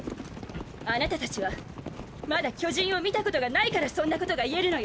あなたたちはまだ巨人を見たことがないからそんなことが言えるのよ！